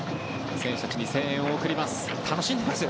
選手たちに声援を送ります。